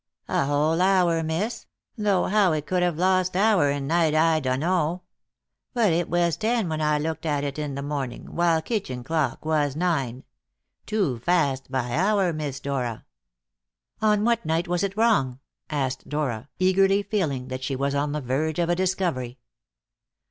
"A whole hour, miss; though how it could have lost hour in night I dunno. But it was ten when I looked at it in morning, while kitchen clock was nine. Too fast by hour, Miss Dora." "On what night was it wrong?" asked Dora, eagerly feeling that she was on the verge of a discovery.